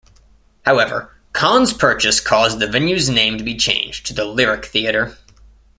However Kahn's purchase caused the venue's name to be changed to the Lyric Theatre.